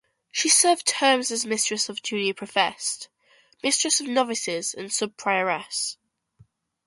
She served terms as mistress of the junior professed, mistress of novices and sub-prioress.